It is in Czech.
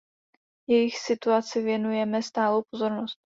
Jejich situaci věnujeme stálou pozornost.